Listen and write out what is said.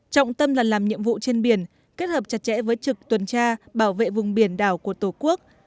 trọng tâm là làm nhiệm vụ trên biển kết hợp chặt chẽ với trực tuần tra bảo vệ vùng biển đảo của tổ quốc